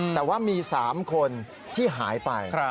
แต่ว่ามี๓คนที่หายไป